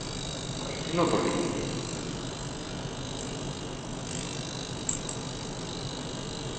Ar hyn o bryd mae swydd wag ar gyfer Offeiriad Cynorthwyol a Chaplan Porthladdoedd.